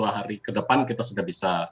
dua hari ke depan kita sudah bisa